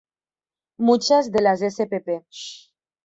Muchas de las spp.